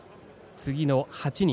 次の８人。